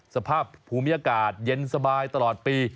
สภาพภูมิอากาศเย็นสบายตลอดปี